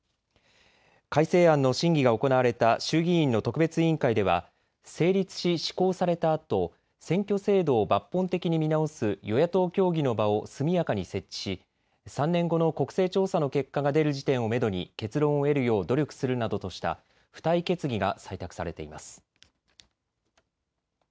改正案の審議が行われた衆議院の特別委員会では成立し施行されたあと選挙制度を抜本的に見直す与野党協議の場を速やかに設置し３年後の国勢調査の結果が出る時点をめどに結論を得るよう努力するなどとした付帯決議が採択されています。